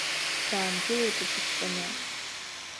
Даангылеит аҵыхәтәаны.